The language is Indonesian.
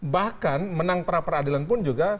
bahkan menang pra peradilan pun juga